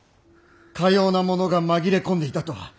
かような者が紛れ込んでいたとは。